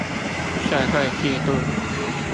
社會制度